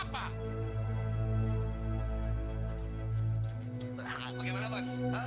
berangkat bagaimana bos